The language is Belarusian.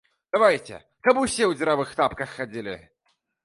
Давайце, каб усе ў дзіравых тапках хадзілі!